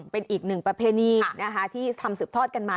เป็นอีกหนึ่งประเพณีที่ทำสืบทอดกันมา